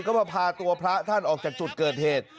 ก็มาพาตัวพระท่านออกจากจุดเกิดเหตุ